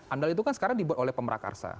amdal itu kan sekarang dibuat oleh pemerakarsa